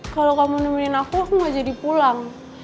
kalo kamu nemenin aku aku gak jadi pulang